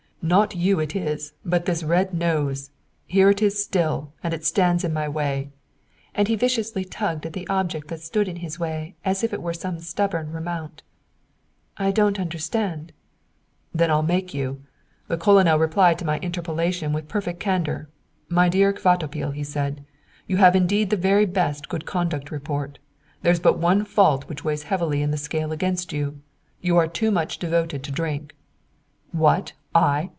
Not you it is, but this red nose! Here it is still, and it stands in my way." And he viciously tugged at the object that stood in his way as if it were some stubborn remount. "I don't understand." "Then I'll make you. The Colonel replied to my interpellation with perfect candour. 'My dear Kvatopil,' said he, 'you have indeed the very best good conduct report. There's but one fault which weighs heavily in the scale against you: you are too much devoted to drink.' 'What? I?